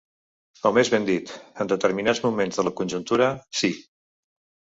O més ben dit, en determinats moments de la conjuntura, sí.